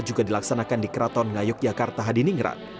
juga dilaksanakan di keraton ngayuk yogyakarta di ningrat